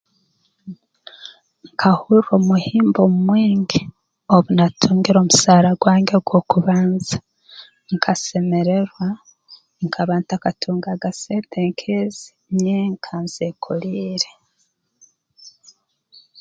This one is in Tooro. Nkahurra omuhimbo mwingi obu naatungire omusaara gwange gw'okubanza nkasemererwa nkaba ntakatungaga sente nk'ezi nyenka nzeekoliire